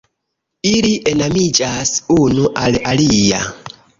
Ili enamiĝas unu al alia.